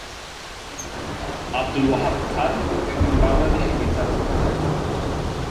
আব্দুল ওহাব খান একজন বাংলাদেশী বিচারক ছিলেন।